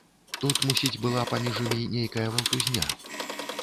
Тут, мусіць, была паміж імі нейкая валтузня.